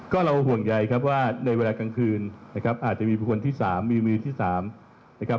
ก็เราห่วงใยครับว่าในเวลากลางคืนนะครับอาจจะมีบุคคลที่๓มีมือที่๓นะครับ